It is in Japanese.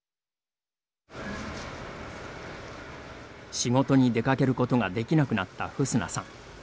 仕事に出かけることができなくなったフスナさん。